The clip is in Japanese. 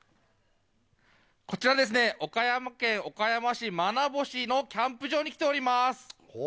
こちら、岡山県岡山市真星のキャンプ場に来ております。